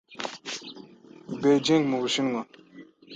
i Beijing mu Bushinwa